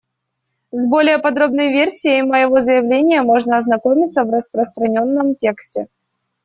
С более подробной версией моего заявления можно ознакомиться в распространенном тексте.